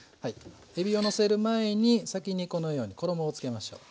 えびをのせる前に先にこのように衣をつけましょう。